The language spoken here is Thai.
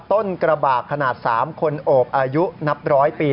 กระบาดขนาด๓คนโอบอายุนับร้อยปี